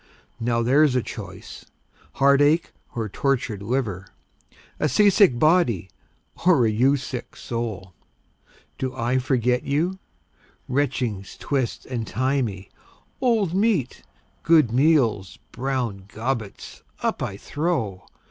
Now there's a choice heartache or tortured liver! A sea sick body, or a you sick soul! Do I forget you? Retchings twist and tie me, Old meat, good meals, brown gobbets, up I throw.